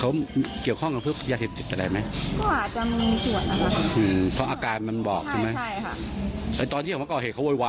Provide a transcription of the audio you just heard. ไม่พอใจไม่พอใจทำไมไม่พอใจใช่ค่ะ